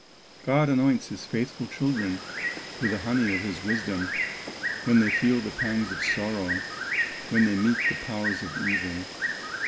God anoints his faithful children, With the honey of his wisdom, When they feel the pangs of sorrow, When they meet the powers of evil.